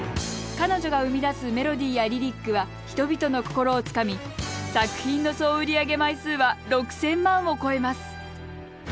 彼女が生み出すメロディーやリリックは人々の心をつかみ作品の総売り上げ枚数は６，０００万を超えます。